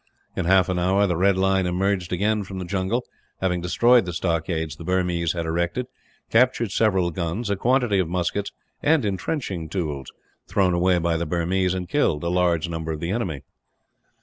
In half an hour the red line emerged again from the jungle, having destroyed the stockades the Burmese had erected; captured several guns, a quantity of muskets, and entrenching tools thrown away by the Burmese; and killed a large number of the enemy.